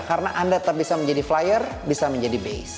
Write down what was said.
karena anda tetap bisa menjadi flyer bisa menjadi base